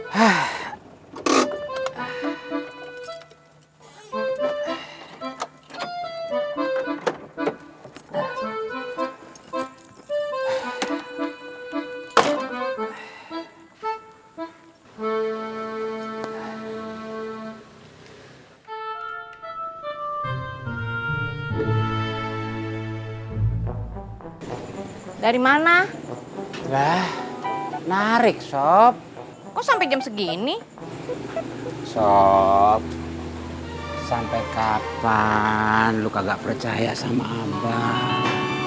hai dari mana lah narik sob kok sampai jam segini sob sampai kapan lu kagak percaya sama abang